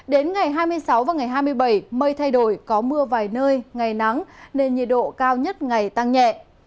đến ngày hai mươi sáu và ngày hai mươi bảy mây thay đổi có mưa vài nơi ngày nắng nên nhiệt độ cao nhất ngày tăng nhẹ